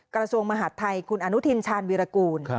กระทรวงมหาดไทยคุณอนุทินชาญวีรกูล